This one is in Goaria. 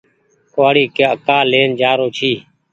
ڪوُوآڙي ڪآ لين جآرو ڇي۔